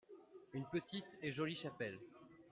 une petite et jolie chapelle.